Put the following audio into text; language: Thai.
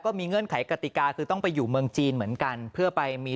มีเงื่อนไขกติกาคือต้องไปอยู่เมืองจีนเหมือนกันเพื่อไปมี